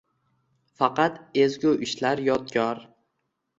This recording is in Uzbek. Faqat ezgu ishlar yodgor